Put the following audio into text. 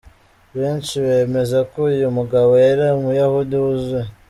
Benshi bemeza ko uyu mugabo yari umuyahudi wuzuye.